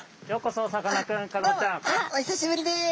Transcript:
お久しぶりです